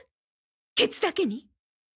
ケツだけに。